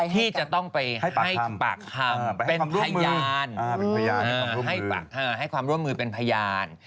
ที่จะต้องไปให้ปากคำเป็นพยานให้ความร่วมมือเป็นพยาน